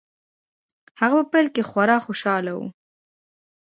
هغه په پیل کې خورا خوشحاله و